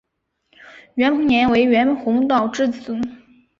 袁彭年为袁宏道之子。